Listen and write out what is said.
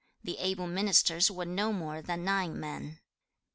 The able ministers were no more than nine men.